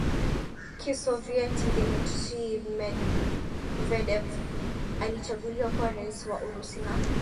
Kisovyeti Dmitry Medvedev alichaguliwa kuwa rais wa Urusi na